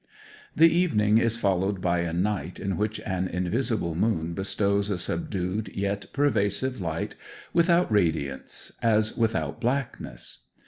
The evening is followed by a night on which an invisible moon bestows a subdued, yet pervasive light without radiance, as without blackness.